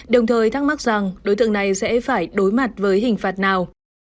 đồng thời thắc mắc rằng đối tượng này sẽ phải đối mặt với hình phạt nào